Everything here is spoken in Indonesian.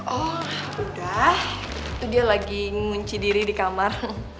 oh udah itu dia lagi ngunci diri di kamar